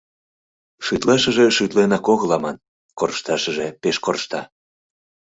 Шӱтлашыже шӱтленак огыл аман, коршташыже пеш коршта...